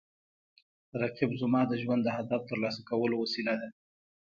رقیب زما د ژوند د هدف ترلاسه کولو وسیله ده